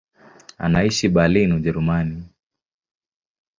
Anaishi Berlin, Ujerumani.